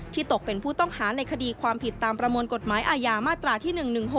ตกเป็นผู้ต้องหาในคดีความผิดตามประมวลกฎหมายอาญามาตราที่๑๑๖